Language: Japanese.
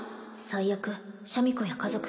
最悪シャミ子や家族